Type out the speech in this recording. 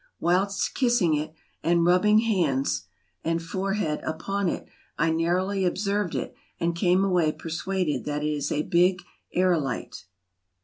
Whilst kissing it and rubbing hands and forehead upon it I narrowly observed it, and came away persuaded that it is a big aerolite.